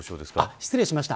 失礼しました。